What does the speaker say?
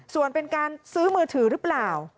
ส่วนเป็นการซื้อมือถือหรือเปล่า